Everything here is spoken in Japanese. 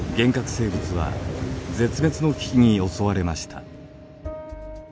生物は絶滅の危機に襲われました。